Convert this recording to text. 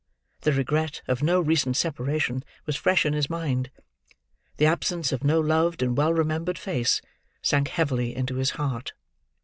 The regret of no recent separation was fresh in his mind; the absence of no loved and well remembered face sank heavily into his heart.